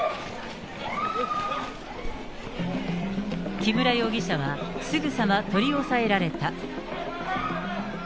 木村容疑者は、すぐさま取り押さえられた。